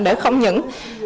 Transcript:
để không những